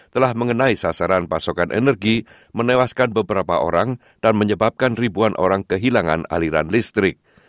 telah mengenai sasaran pasokan energi menewaskan beberapa orang dan menyebabkan ribuan orang kehilangan aliran listrik